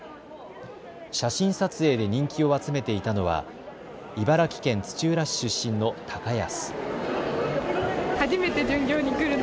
写真撮影で人気を集めていたのは茨城県土浦市出身の高安。